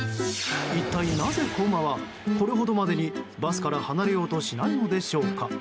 一体なぜ子馬は、これほどまでにバスから離れようとしないのでしょうか。